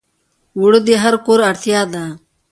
اوړه د هر کور اړتیا ده